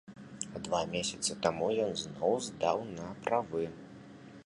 А два месяцы таму ён зноў здаў на правы.